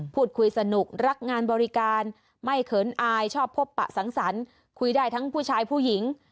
พูดคุยสนุกรักงานบริการไม่เขินอายชอบพบปะสังสรรค์คุยได้ทั้งผู้ชายผู้หญิง